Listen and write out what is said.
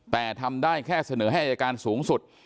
แต่ทำได้แค่เสนอให้อายการสูงสุด